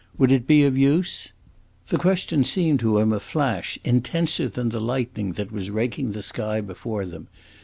"Would it be of use?" The question seemed to him a flash intenser than the lightning that was raking the sky before them.